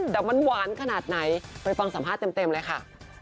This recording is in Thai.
แต่มันหวานขนาดไหนไปฟังสัมภาษณ์เต็มเลยค่ะ